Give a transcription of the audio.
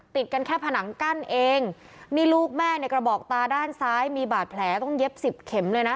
ติดกันแค่ผนังกั้นเองนี่ลูกแม่ในกระบอกตาด้านซ้ายมีบาดแผลต้องเย็บสิบเข็มเลยนะ